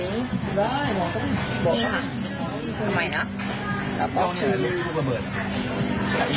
ไม่บอกตรงนี้นี่ค่ะทำไมเนอะแล้วบอกตรงนี้